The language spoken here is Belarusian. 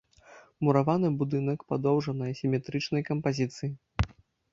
Мураваны будынак падоўжанай сіметрычнай кампазіцыі.